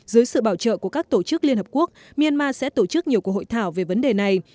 dưới sự bảo trợ của các tổ chức liên hợp quốc myanmar sẽ tổ chức nhiều cuộc hội thảo về vấn đề này